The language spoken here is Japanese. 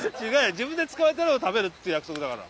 自分で捕まえたのを食べるっていう約束だから。